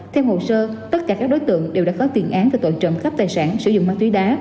theo hồ sơ tất cả các đối tượng đều đã có tiền án về tội trộm cắp tài sản sử dụng ma túy đá